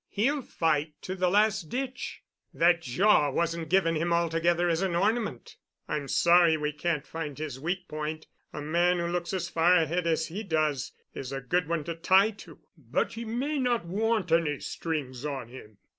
He'll fight to the last ditch. That jaw wasn't given him altogether as an ornament. I'm sorry we can't find his weak point. A man who looks as far ahead as he does is a good one to tie to." "But he may not want any strings on him.